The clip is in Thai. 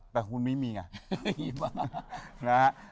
แต่คุณไม่มีไง